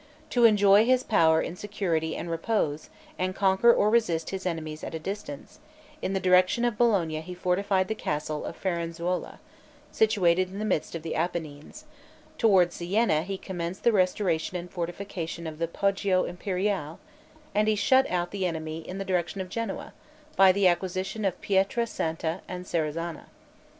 To enjoy his power in security and repose, and conquer or resist his enemies at a distance, in the direction of Bologna he fortified the castle of Firenzuola, situated in the midst of the Appennines; toward Sienna he commenced the restoration and fortification of the Poggio Imperiale; and he shut out the enemy in the direction of Genoa, by the acquisition of Pietra Santa and Serezana.